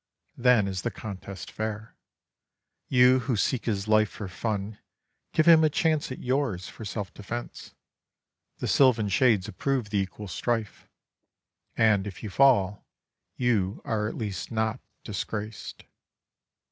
Then is the contest fair. You who seek his life for fun give him a chance at yours for self defence. The sylvan shades approve the equal strife; and if you fall you are at least not disgraced.